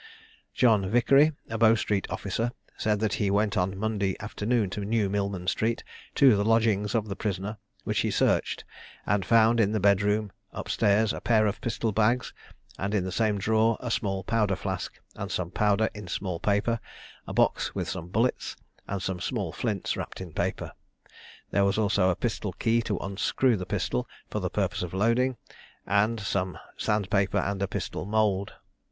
John Vickery, a Bow Street officer, said that he went on Monday afternoon to New Millman Street, to the lodgings of the prisoner, which he searched, and found, in the bed room up stairs, a pair of pistol bags, and in the same drawer a small powder flask, and some powder in a small paper, a box with some bullets, and some small flints wrapped in paper. There was also a pistol key to unscrew the pistol for the purpose of loading, and some sand paper and a pistol mould.